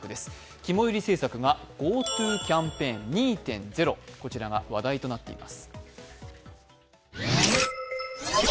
肝煎り政策がＧｏＴｏ２．０、こちらが話題となっています。